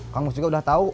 kamu juga udah tau